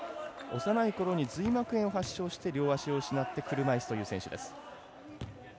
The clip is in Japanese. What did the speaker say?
幼いころに髄膜炎を発症して両足を失って車いすという選手です。